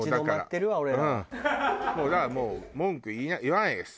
だからもう文句言わないです！